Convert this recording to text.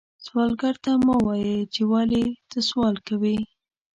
سوالګر ته مه وایې چې ولې ته سوال کوې